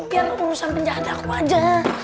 biar urusan penjahat aku aja